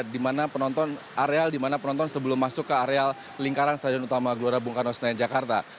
di mana penonton area di mana penonton sebelum masuk ke area lingkaran stadion utama gelora bung karno senayan jakarta